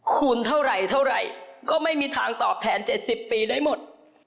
คูณเท่าไหร่เท่าไหร่ก็ไม่มีทางตอบแทน๗๐ปีได้หมด